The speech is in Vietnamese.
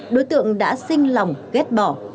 đối tượng đã sinh lòng ghét bỏ